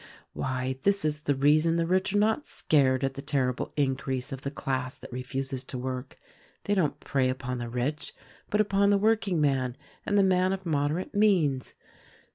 Why, this is the reason the rich are not scared at the ter rible increase of the class that refuses to work. They don't prey upon the rich, but upon the workingman and the man of moderate means.